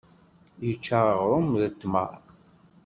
Yečča aɣrum d tmeṛ